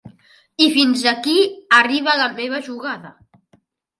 I fins aquí arriba la meva jugada.